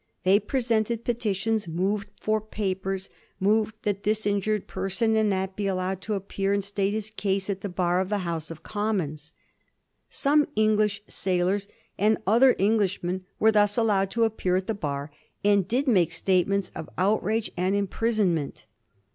They pre sented petitions, moved for papers, moved that this in jured person and that be allowed to appear and state his case at the bar of the House of Commons. Some English sailors and other Englishmen were thus allowed to appear at the bar, and did make statements of outrage and imprison ment.